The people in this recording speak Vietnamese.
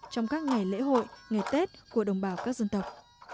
trong các ngày lễ hội ngày tết của đồng bào các dân tộc